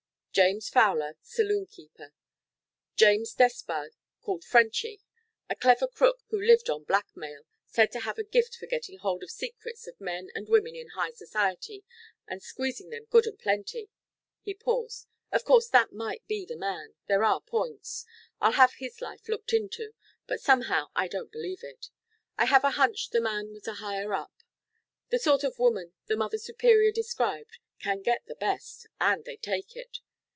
James Fowler, saloon keeper. James Despard, called 'Frenchy,' a clever crook who lived on blackmail said to have a gift for getting hold of secrets of men and women in high society and squeezing them good and plenty " He paused. "Of course, that might be the man. There are points. I'll have his life looked into, but somehow I don't believe it. I have a hunch the man was a higher up. The sort of woman the Mother Superior described can get the best, and they take it.